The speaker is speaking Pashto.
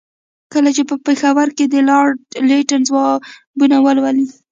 کله چې په پېښور کې د لارډ لیټن ځوابونه ولولي.